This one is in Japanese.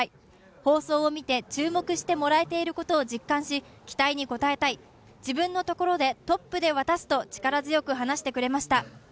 放送を見て、注目してもらえていることを実感し期待に応えたい、自分のところでトップで渡すと力強く話してくれました。